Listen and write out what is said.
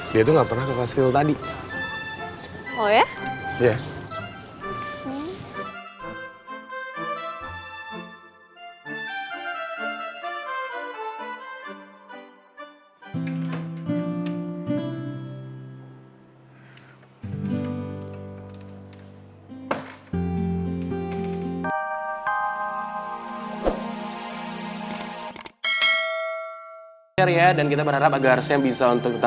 dia tuh gak pernah ke bastille tadi